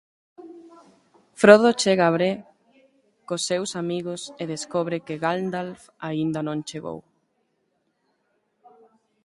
Frodo chega a Bree co seus amigos e descobre que Gandalf aínda non chegou.